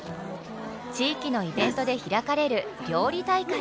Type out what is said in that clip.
地域のイベントで開かれる料理大会。